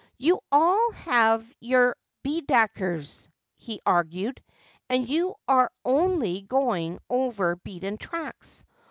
' You alJ have your Baudi kiirs,' he argued, ' and you are only going over beaten tracks.